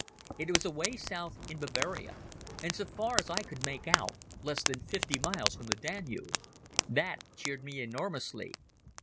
It was away south in Bavaria, and so far as I could make out less than fifty miles from the Danube. That cheered me enormously.